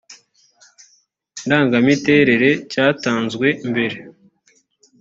ndangamiterere cyatanzwe mbere